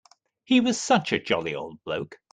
He was such a jolly old bloke.